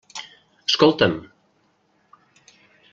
Escolta'm.